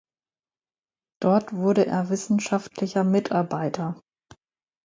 Dort wurde er wissenschaftlicher Mitarbeiter.